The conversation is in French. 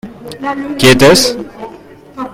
Qui était-ce ?